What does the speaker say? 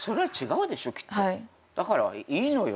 だからいいのよ。